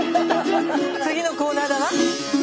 次のコーナーだわ。